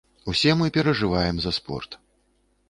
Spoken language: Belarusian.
Усе мы перажываем за спорт.